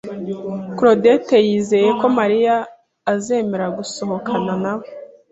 Claudete yizeye ko Mariya azemera gusohokana nawe.